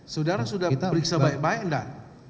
saudara sudah periksa baik baik tidak